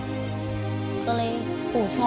ก็เลยปู่ชอบ